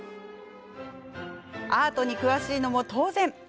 アートに詳しいのも当然！